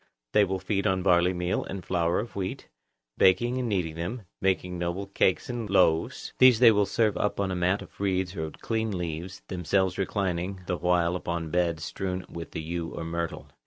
They will feed on barley meal and flour of wheat, baking and kneading them, making noble cakes and loaves; these they will serve up on a mat of reeds or on clean leaves, themselves reclining the while upon beds strewn with yew or myrtle.